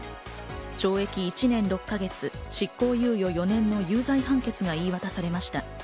懲役１年６か月、執行猶予４年の有罪判決が言い渡されました。